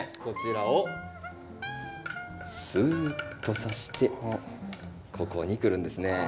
こちらをスーッとさしてここに来るんですね。